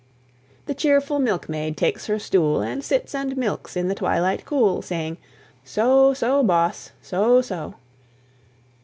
The cheerful milkmaid takes her stool, And sits and milks in the twilight cool, Saying, "So! so, boss! so! so!"